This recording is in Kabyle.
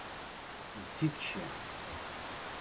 D tikci.